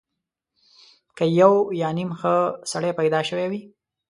که یو یا نیم ښه سړی پیدا شوی وي.